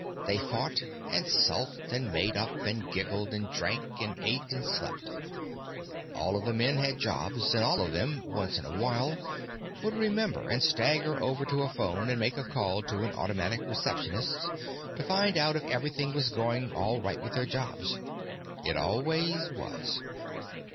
They fought and sulked and made up and giggled and drank and ate and slept. All of the men had jobs, and all of them, once in a while, would remember and stagger over to a phone and make a call to an automatic receptionist to find out if everything was going all right with their jobs. It always was.